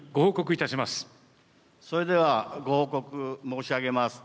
それではご報告申し上げます。